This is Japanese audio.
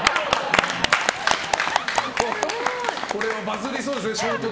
これはバズりそうですね。